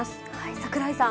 櫻井さん。